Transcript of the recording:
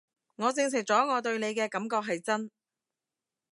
我證實咗我對你嘅感覺係真